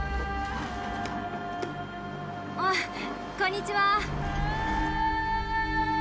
あっこんにちは。